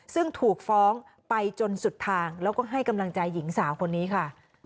ซึ่งถูกฟ้องไปจนสุดทางแล้วก็ให้กำลังใจหญิงสาวคนนี้ค่ะ